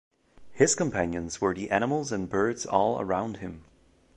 His companions were the animals and birds all around him.